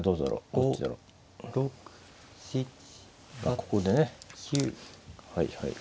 ここでねはいはい。